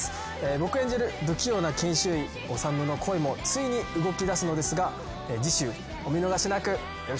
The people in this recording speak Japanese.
僕演じる不器用な研修医修の恋もついに動きだすのですが次週お見逃しなくよろしくお願いします。